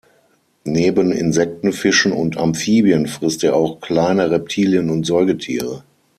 Neben Insekten, Fischen und Amphibien frisst er auch kleine Reptilien und Säugetiere.